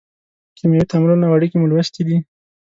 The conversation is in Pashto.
کیمیاوي تعاملونه او اړیکې مو لوستې دي.